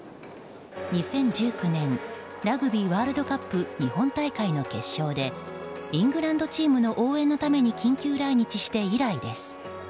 ２０１９年ラグビーワールドカップ日本大会の決勝でイングランドチームの応援のために緊急来日して以来です。